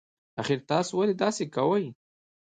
اخر تاسي ولې داسی کوئ